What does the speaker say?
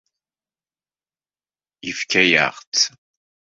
Yefka-yaɣ-tt.